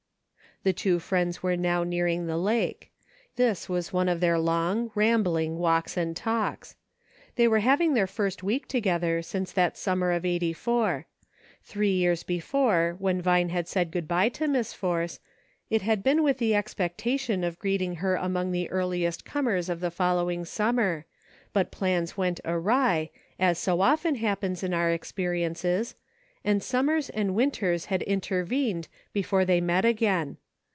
The two friends were now nearing the lake. This was one of their long, rambling walks and talks. They were having their first week together since that summer of '84. Three years before when Vine had said good by to Miss Force, it had been with the expectation of greeting her among the earliest comers of the following summer, but plans went awry, as so often happens in ou'r experiences, and summers and winters had intervened before they met again.